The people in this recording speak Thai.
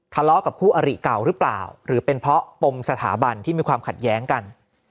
ทะเลาะกับคู่อริเก่าหรือเปล่าหรือเป็นเพราะปมสถาบันที่มีความขัดแย้งกัน